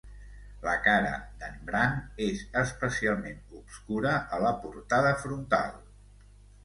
La cara de"n Brant és especialment obscura a la portada frontal.